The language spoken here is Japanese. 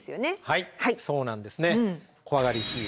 はいそうなんですね。